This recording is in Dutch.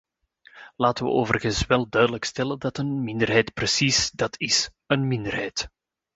Laten we overigens wel duidelijk stellen dat een minderheid precies dat is: een minderheid.